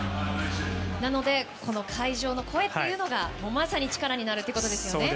なので、会場の声というのがまさに力になるということですね。